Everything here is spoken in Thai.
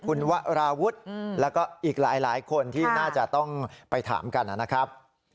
คุณวราวุฒิแล้วก็อีกหลายคนที่น่าจะต้องไปถามกันนะครับ